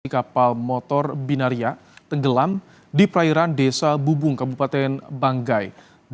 kapal motor binaria tenggelam di perairan desa bubung kabupaten banggai